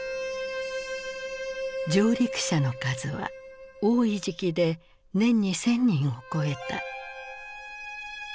上陸者の数は多い時期で年に１，０００人を超えた。